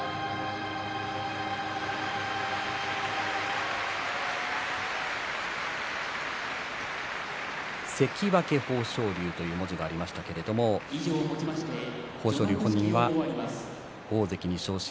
拍手関脇豊昇龍という文字がありましたが豊昇龍、本人は大関に昇進。